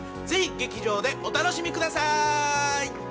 ぜひ劇場でお楽しみください。